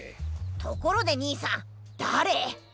ところでにいさんだれ？